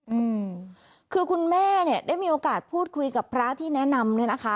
อืมคือคุณแม่เนี้ยได้มีโอกาสพูดคุยกับพระที่แนะนำเนี้ยนะคะ